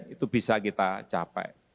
itu bisa kita capai